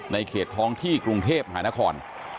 ในเขตท้องที่กรุงเทพหานคร